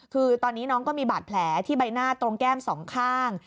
คือตอนนี้น้องก็มีบาดแผลที่ใบหน้าตรงแก้มสองข้าง